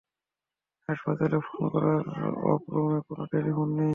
হাসপাতালে ফোন করার জন্য ওর রুমে কোনো টেলিফোন নেই।